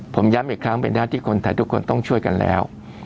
ผมย้ำอีกครั้งเป็นหน้าที่คนไทยทุกคนต้องช่วยกันแล้ว